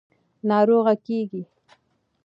– ناروغه کېږې.